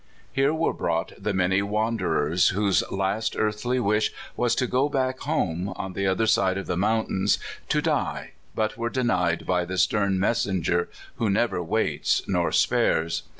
Here were brought the many wanderers, whose last earthly wish was to go back home, on the other side of the mountains, to die, but were denied by the stern messenger who never waits nor spares.